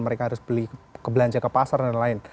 mereka harus beli belanja ke pasar dan lain lain